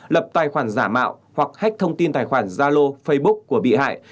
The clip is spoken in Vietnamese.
lập tài khoản giả mạo hoặc hách thông tin tài khoản gia lô facebook của bị hại